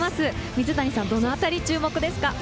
水谷さん、どのあたり注目ですか？